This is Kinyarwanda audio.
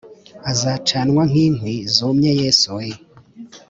Azacanwa nk`inkwi zumye yesu wee!!!